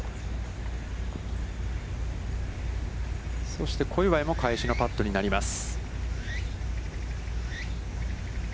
そして小祝も、返しのパットになります。